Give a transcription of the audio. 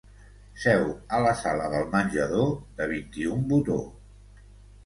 Seu a la sala del menjador de vint-i-un botó.